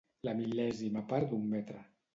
La mil·lèsima part d'un metre.